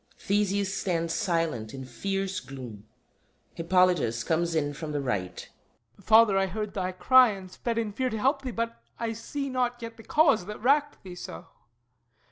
[THESEUS stands silent in fierce gloom. HIPPOLYTUS comes in from the right.] HIPPOLYTUS Father, I heard thy cry, and sped in fear To help thee, but I see not yet the cause That racked thee so.